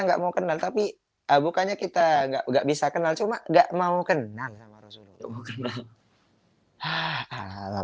nggak mau kenal tapi bukannya kita enggak bisa kenal cuma enggak mau kenal sama rasulullah hal hal